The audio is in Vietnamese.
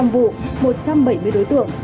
một trăm hai mươi năm vụ một trăm bảy mươi đối tượng